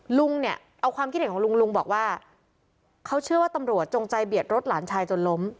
ลุงเนี่ยเอาความคิดเห็นของลุงลุงบอกว่าเขาเชื่อว่าตำรวจจงใจเบียดรถหลานชายจนล้ม